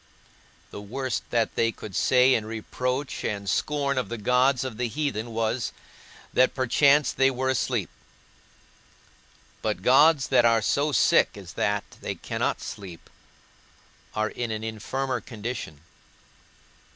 The worst that they could say in reproach and scorn of the gods of the heathen was, that perchance they were asleep; but gods that are so sick as that they cannot sleep are in an infirmer condition.